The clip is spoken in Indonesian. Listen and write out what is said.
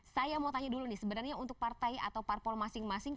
saya mau tanya dulu nih sebenarnya untuk partai atau parpol masing masing